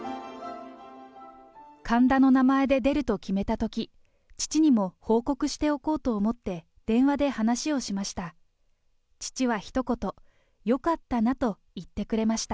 神田の名前で出ると決めたとき、父にも報告しておこうと思って、電話で話をしました。